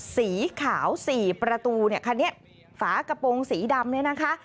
สีขาว๔ประตูฝากระโปรงสีดำ